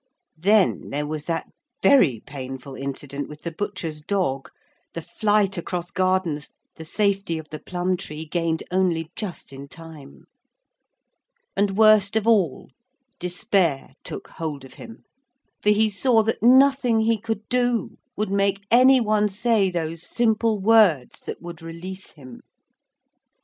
Then there was that very painful incident with the butcher's dog, the flight across gardens, the safety of the plum tree gained only just in time. And, worst of all, despair took hold of him, for he saw that nothing he could do would make any one say those simple words that would release him.